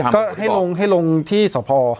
ก็ให้ลงที่สอพอ